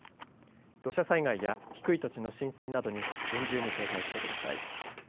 土砂災害や低い土地の浸水などに厳重に警戒してください。